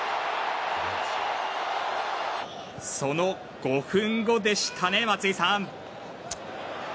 その５分後でしたね松井さん。